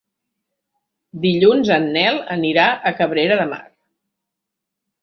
Dilluns en Nel anirà a Cabrera de Mar.